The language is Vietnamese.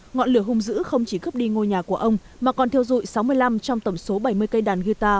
ngọn lửa hung dữ không chỉ cướp đi ngôi nhà của ông mà còn thiêu dụi sáu mươi năm trong tổng số bảy mươi cây đàn guitar